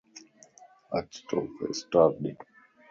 اچ توک اسٽار ڏين